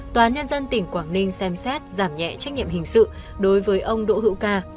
tòa nhân dân tỉnh quảng ninh xem xét giảm nhẹ trách nhiệm hình sự đối với ông đỗ hữu ca